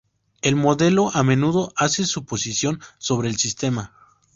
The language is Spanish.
El modelo a menudo hace suposiciones sobre el sistema.